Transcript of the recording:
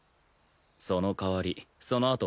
その代わりそのあと